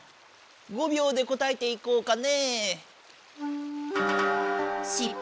５びょうで答えていこうかね。